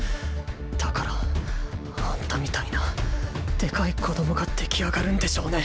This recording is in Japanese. だからあんたみたいなでかい子どもができ上がるんでしょうね。